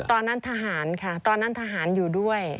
ตอนนั้นทหารค่ะตอนนั้นทหารอยู่ด้วย